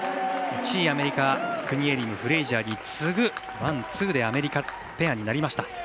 １位、アメリカクニエリム、フレイジャーに次ぐワン、ツーでアメリカペアになりました。